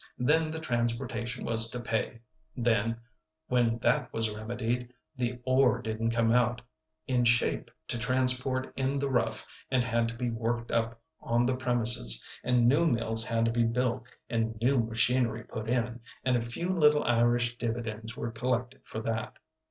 Then the transportation was to pay; then, when that was remedied, the ore didn't come out in shape to transport in the rough and had to be worked up on the premises, and new mills had to be built and new machinery put in, and a few little Irish dividends were collected for that.